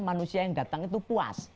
manusia yang datang itu puas